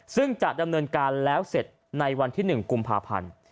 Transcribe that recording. ซึ่งจะดำเนินการแล้วเสร็จในวันที่๑กุมภาพันธ์